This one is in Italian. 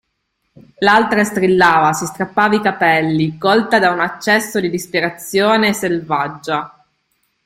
L'altra strillava, si strappava i capelli, colta da un accesso di disperazione selvaggia.